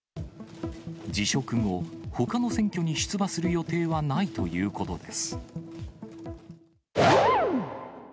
辞職後、ほかの選挙に出馬する予定はないということです。